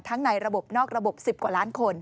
ในระบบนอกระบบ๑๐กว่าล้านคน